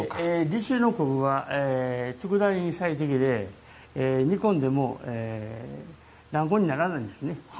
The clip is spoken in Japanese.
利尻の昆布はつくだ煮に最適で煮込んでもだんごにならないんですね。